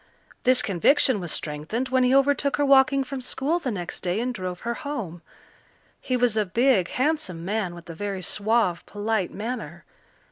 This conviction was strengthened when he overtook her walking from school the next day and drove her home. He was a big, handsome man with a very suave, polite manner.